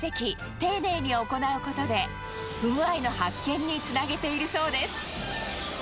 丁寧に行うことで、不具合の発見につなげているそうです。